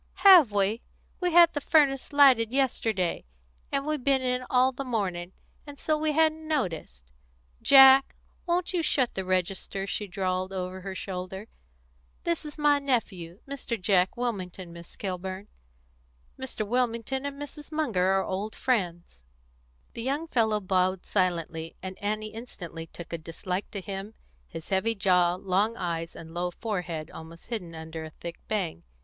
"Have we? We had the furnace lighted yesterday, and we've been in all the morning, and so we hadn't noticed. Jack, won't you shut the register?" she drawled over her shoulder. "This is my nephew, Mr. Jack Wilmington, Miss Kilburn. Mr. Wilmington and Mrs. Munger are old friends." The young fellow bowed silently, and Annie instantly took a dislike to him, his heavy jaw, long eyes, and low forehead almost hidden under a thick bang.